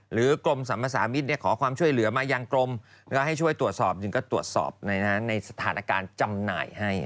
หรือกลมสามสามิทขอความช่วยเหลือมายังกลมให้ช่วยตรวจสอบจึงก็ตรวจสอบในสถานการณ์จำหน่ายให้